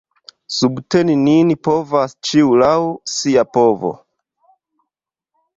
Subteni nin povas ĉiu laŭ sia povo.